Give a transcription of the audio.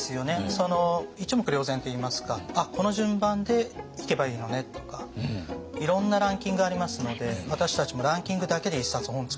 一目瞭然といいますか「あっこの順番で行けばいいのね」とかいろんなランキングありますので私たちもランキングだけで一冊本作ってたりもするぐらい。